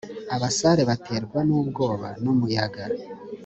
abasare baterwa n ubwoba numuyaga